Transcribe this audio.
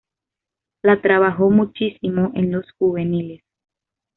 La trabajó muchísimo en los juveniles.